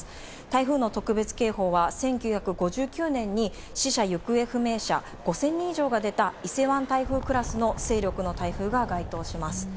台風の特別警報は、１９５９年に死者・行方不明者５０００人以上が出た伊勢湾台風クラスの勢力の台風が該当します。